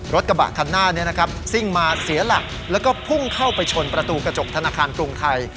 รถกระบะคันหน้าซิ่งมาเสียหลักแล้วก็พุ่งเข้าไปชนประตูกระจกธนาคารกรุงไทย